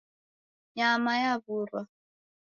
Nyama yawurwa.